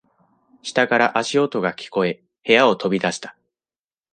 下から足音が聞こえ、部屋を飛び出した。